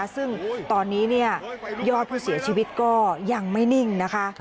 ซึ่งตอนนี้ยอดผู้เสียชีวิตก็ยังไม่นิ่งนะคะ